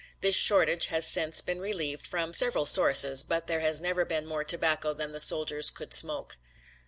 This shortage has since been relieved from several sources, but there has never been more tobacco than the soldiers could smoke.